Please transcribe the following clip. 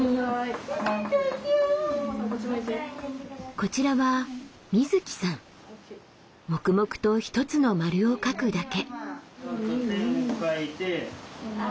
こちらは黙々と一つの丸を描くだけ。